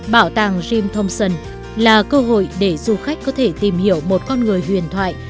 bảo tàng jim thompson là cơ hội để du khách có thể tìm hiểu một con người huyền thoại